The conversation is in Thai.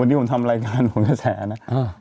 วันนี้ผมทำรายการครับแสนนะ